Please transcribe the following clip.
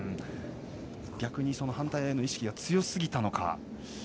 逆に反対への意識が強すぎたのか。